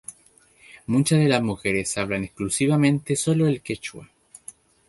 Muchas de las mujeres hablan exclusivamente sólo el quechua.